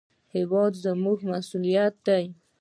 هېواد زموږ مسوولیت دی